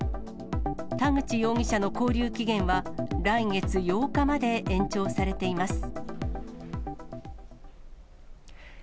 田口容疑者の勾留期限は、来月８日まで延長されています。